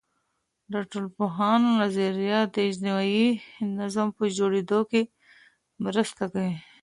د ټولنپوهانو نظریات د اجتماعي نظم په جوړیدو کي مرسته کوي.